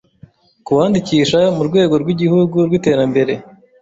kuwandikisha mu Rwego rw’Igihugu rw’Iterambere